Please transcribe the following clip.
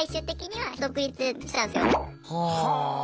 はあ！